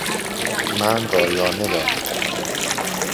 من رایانه دارم.